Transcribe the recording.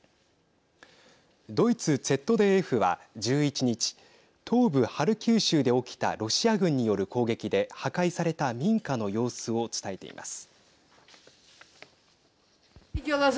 ドイツＺＤＦは、１１日東部ハルキウ州で起きたロシア軍による攻撃で破壊された民家の様子を伝えています。